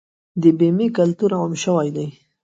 د بیمې کلتور عام شوی دی؟